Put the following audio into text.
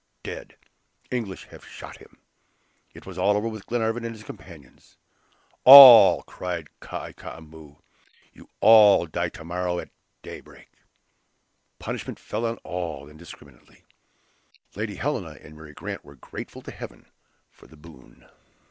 "Dead! English have shot him." It was all over with Glenarvan and his companions. "All!" cried Kai Koumou; "you all die to morrow at daybreak." Punishment fell on all indiscriminately. Lady Helena and Mary Grant were grateful to Heaven for the boon.